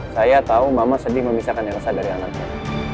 saya tahu mama sedih memisahkan elsa dari anaknya